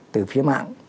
từ phía mạng